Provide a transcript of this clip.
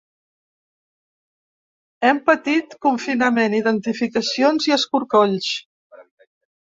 Hem patit confinament, identificacions i escorcolls.